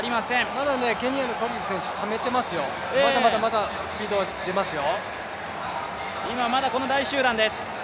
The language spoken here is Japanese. まだケニアのコリル選手、ためていますよ、まだまだスピード出ますよ。